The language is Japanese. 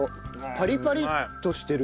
パリパリッとしてる。